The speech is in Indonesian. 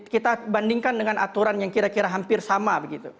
kita bandingkan dengan aturan yang kira kira hampir sama